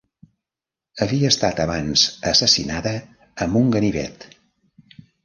Havia estat abans assassinada amb un ganivet.